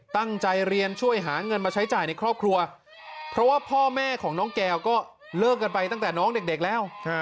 ตั้งใจเรียนช่วยหาเงินมาใช้จ่ายในครอบครัวเพราะว่าพ่อแม่ของน้องแก้วก็เลิกกันไปตั้งแต่น้องเด็กแล้ว